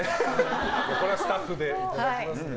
これはスタッフでいただきますので。